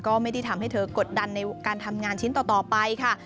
ก็ไม่ได้ทำให้เธอกดดันในการทำงานชิ้นต่อไปค่ะ